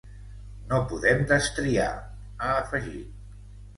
No podem destriar, ha afegit.